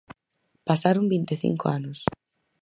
Pasaron vinte e cinco anos.